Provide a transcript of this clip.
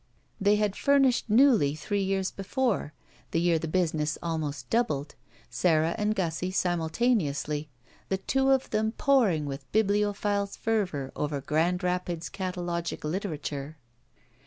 They had furnished newly three years before, the year tiie business almost doubled, Sara and Gussie simtdtaneously, the two of them poring with bibliophiles' fervor over Grand Rapids catalogic literature.